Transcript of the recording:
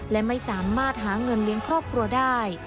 และไม่สามารถหาเงินเลี้ยงครอบครัวได้